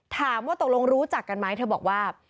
ถามว่าตกลงรู้จักกันไหมเธอบอกว่า